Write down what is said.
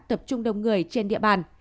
tập trung đông người trên địa bàn